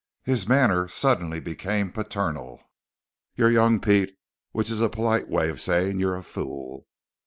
His manner suddenly became paternal. "You're young, Pete which is a polite way of saying you're a fool.